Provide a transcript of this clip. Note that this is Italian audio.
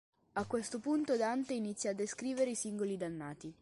A questo punto Dante inizia a descrivere i singoli dannati.